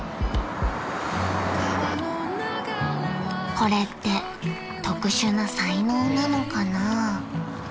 ［これって特殊な才能なのかなあ？］